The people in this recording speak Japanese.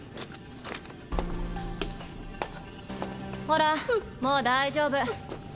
ほらもう大丈夫。